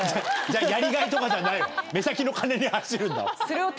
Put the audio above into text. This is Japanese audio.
じゃやりがいとかじゃないわ目先の金に走るんだ。